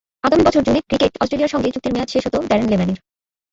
আগামী বছর জুনে ক্রিকেট অস্ট্রেলিয়ার সঙ্গে চুক্তির মেয়াদ শেষ হতো ড্যারেন লেম্যানের।